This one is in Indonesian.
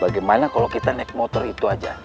bagaimana kalau kita naik motor itu aja